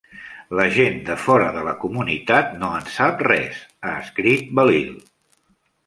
"La gent de fora de la comunitat no en sap res", ha escrit Bellil.